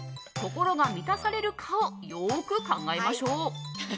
心が満たされるかをよく考えましょう。